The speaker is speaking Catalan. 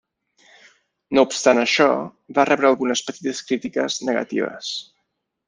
No obstant això, va rebre algunes petites crítiques negatives.